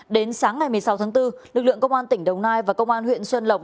đến sáng ngày một mươi sáu tháng bốn lực lượng công an tỉnh đồng nai và công an huyện xuân lộc